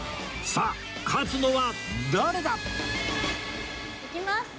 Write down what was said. さあ勝つのは誰だ！？いきます！